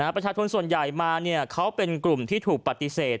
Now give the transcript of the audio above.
ประชาชนส่วนใหญ่มาเขาเป็นกลุ่มที่ถูกปฏิเสธ